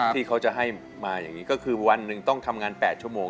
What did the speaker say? ที่เขาจะให้มาอย่างนี้ก็คือวันหนึ่งต้องทำงาน๘ชั่วโมง